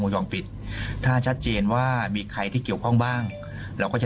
ยอมปิดถ้าชัดเจนว่ามีใครที่เกี่ยวข้องบ้างเราก็จะ